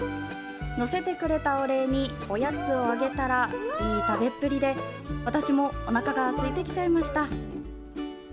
乗せてくれたお礼におやつをあげたらいい食べっぷりで私も、おなかがすいてきちゃいました！